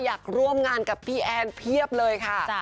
อยากร่วมงานกับพี่แอนเพียบเลยค่ะ